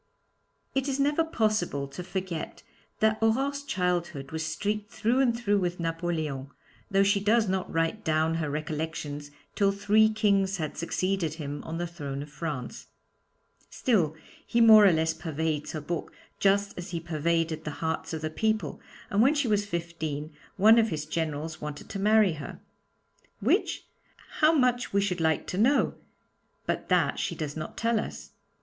It is never possible to forget that Aurore's childhood was streaked through and through with Napoleon, though she does not write down her recollections till three kings had succeeded him on the throne of France. Still, he more or less pervades her book just as he pervaded the hearts of the people, and when she was fifteen one of his generals wanted to marry her. Which? How much we should like to know! But that she does not tell us.